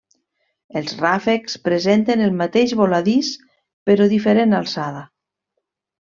Els ràfecs presenten el mateix voladís però diferent alçada.